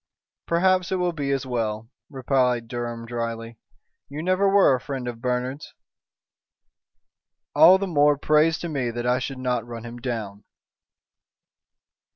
"Perhaps it will be as well," replied Durham, dryly. "You never were a friend of Bernard's." "All the more praise to me that I should not run him down."